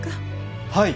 はい。